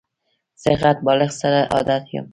زه غټ بالښت سره عادت یم.